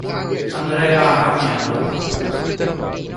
Andrea Agnello